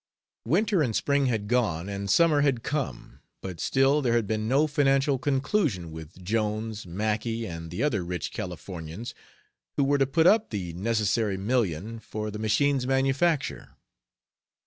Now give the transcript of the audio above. Winter and spring had gone and summer had come, but still there had been no financial conclusion with Jones, Mackay, and the other rich Californians who were to put up the necessary million for the machine's manufacture.